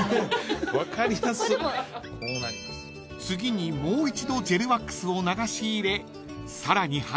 ［次にもう一度ジェルワックスを流し入れさらに